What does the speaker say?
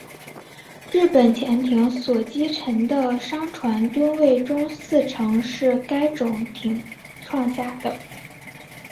日本潜艇所击沉的商船吨位中四成是该种艇创下。